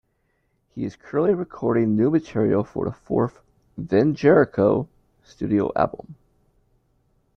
He is currently recording new material for the fourth Then Jerico studio album.